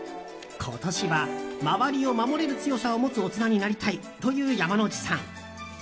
今年は周りを守れる強さを持つ大人になりたいという山之内さん。